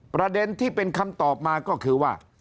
ประเด็นที่เป็นคำตอบมาก็คือว่า